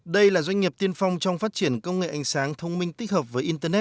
đây là doanh nghiệp tiên phong trong phát triển công nghệ ánh sáng thông minh tích hợp với internet